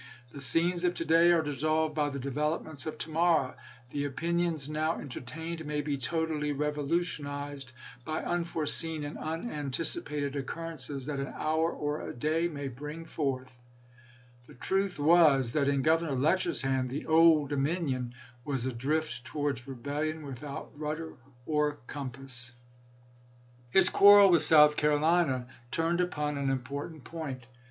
The scenes of to day are dissolved by the developments of to morrow. The opinions now entertained may be totally revolutionized by unforeseen and unantici pated occurrences that an hour or a day may bring forth." The truth was, that in Governor Letcher's hands the "Old Dominion" was adrift towards rebellion without rudder or compass. 420 ABKAHAM LINCOLN Ch. XXV. Governor Gist, Mes sage, Nov. 27, 1860. His quarrel with South Carolina turned upon an important point.